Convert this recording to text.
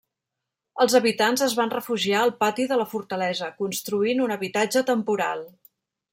Els habitants es van refugiar al pati de la fortalesa, construint un habitatge temporal.